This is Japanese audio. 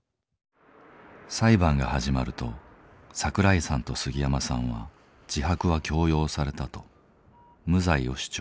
裁判が始まると桜井さんと杉山さんは「自白は強要された」と無罪を主張。